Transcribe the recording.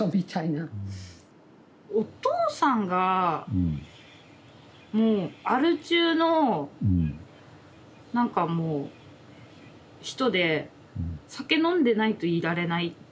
お父さんがもうアル中の何かもう人で酒飲んでないといられない。